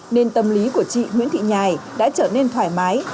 nên tâm lý của chị nguyễn thị nhài đã trở nên thoải mái